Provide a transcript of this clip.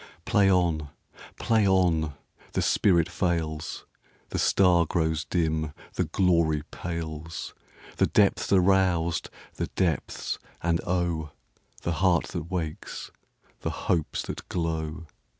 Play on! Play on! The spirit fails, The star grows dim, the glory pales, The depths are roused—the depths, and oh! The heart that wakes, the hopes that glow!